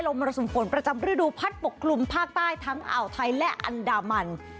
มรสุมฝนประจำฤดูพัดปกคลุมภาคใต้ทั้งอ่าวไทยและอันดามัน